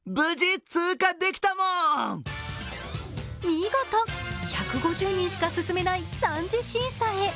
見事、１５０人しか進めない３次審査へ。